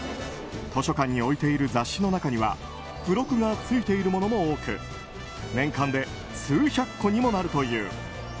図書館に置いている雑誌の中には付録がついているものも多く年間で数百個にもなるという。